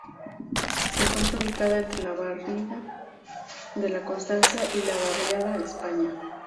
Se encuentra ubicada entre la barriada de la Constancia y la barriada España.